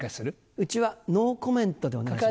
うちはノーコメントでお願いします。